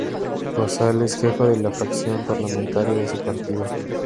Rosal es jefa de la fracción parlamentaria de su partido.